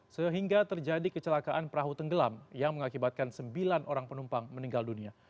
sehingga terjadi kecelakaan perahu tenggelam yang mengakibatkan sembilan orang penumpang meninggal dunia